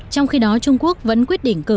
trong khi đó trung quốc vẫn quyết định cử